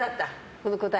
この答え。